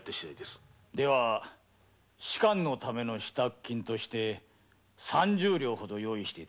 仕官のための支度金として３０両ほど用意して下さい。